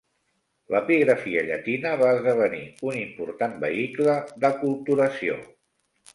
L'epigrafia llatina va esdevenir un important vehicle d'aculturació.